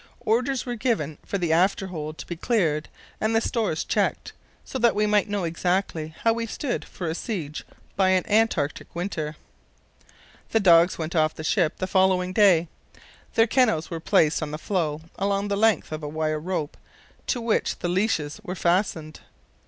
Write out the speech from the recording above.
Orders were given for the after hold to be cleared and the stores checked, so that we might know exactly how we stood for a siege by an Antarctic winter. The dogs went off the ship on the following day. Their kennels were placed on the floe along the length of a wire rope to which the leashes were fastened.